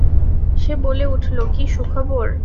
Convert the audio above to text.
সে বলে উঠল, কী সুখবর!